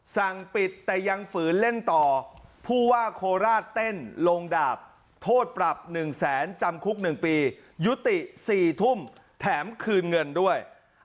สั่งปิดแต่ยังฝืนเล่นต่อผู้ว่าโคราชเต้นลงดาบโทษปรับ๑แสนจำคุก๑ปียุติ๔ทุ่มแถมคืนเงินด้วย